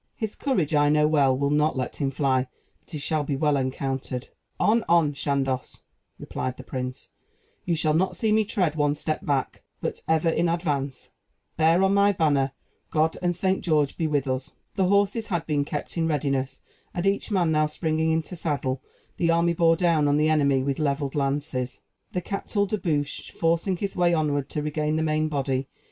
His courage, I know well, will not let him fly; but he shall be well encountered." "On! on! Chandos," replied the prince, "you shall not see me tread one step back, but ever in advance. Bear on my banner! God and St. George be with us!" The horses had been kept in readiness; and each man now springing into saddle, the army bore down on the enemy with levelled lances, the Captal de Buch forcing his way onward to regain the main body.